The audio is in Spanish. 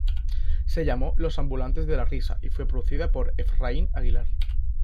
Se llamó "Los ambulantes de la risa" y fue producida por Efraín Aguilar.